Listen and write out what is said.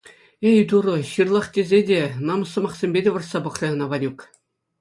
Эй, Турӑ, ҫырлах тесе те, намӑс сӑмахсемпе те вӑрҫса пӑхрӗ ӑна Ванюк.